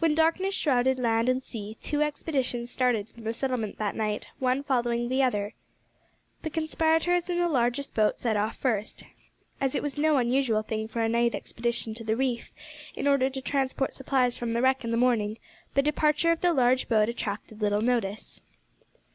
When darkness shrouded land and sea, two expeditions started from the settlement that night one following the other. The conspirators in the largest boat set off first. As it was no unusual thing for a night expedition to the reef in order to transport supplies from the wreck in the morning, the departure of the large boat attracted little notice.